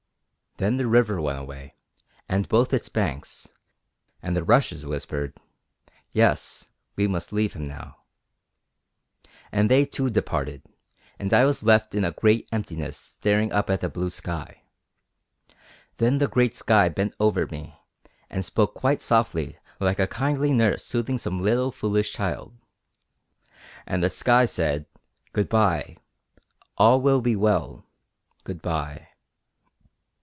Then the river went away, and both its banks; and the rushes whispered, 'Yes, we must leave him now.' And they too departed, and I was left in a great emptiness staring up at the blue sky. Then the great sky bent over me, and spoke quite softly like a kindly nurse soothing some little foolish child, and the sky said, 'Goodbye. All will be well. Goodbye.'